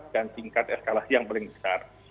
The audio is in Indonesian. dan tingkat eskalasi yang paling besar